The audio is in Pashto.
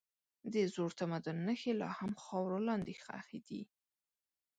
د زوړ تمدن نښې لا هم خاورو لاندې ښخي دي.